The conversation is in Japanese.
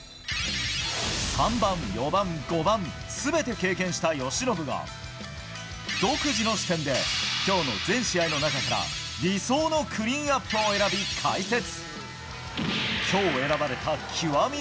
３番、４番、５番、すべて経験した由伸が、独自の視点で、きょうの全試合の中から理想のクリーンアップを選び、解説。